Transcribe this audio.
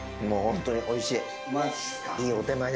もう本当に美味しい。